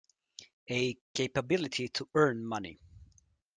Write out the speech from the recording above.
A capability to earn money.